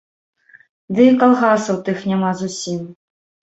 Ды і калгасаў тых няма зусім.